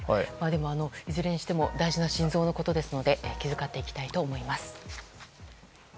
でも、いずれにしても大事な心臓のことですので気遣っていきたいと思います。